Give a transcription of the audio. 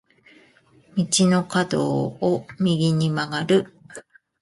道の角を右に曲がる。